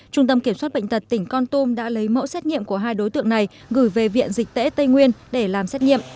trung tâm kiểm soát bệnh tật tỉnh con tum đã lấy mẫu xét nghiệm của hai đối tượng này gửi về viện dịch tễ tây nguyên để làm xét nghiệm